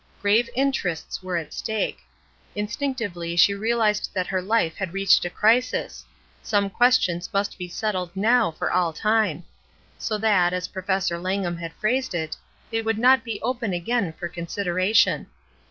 Grave interests were at stake. Instinctively she realized that her life had reached a crisis: some questions must be settled now for all time; so that, as Professor Langham had phrased it, "they would not be open again for consideration."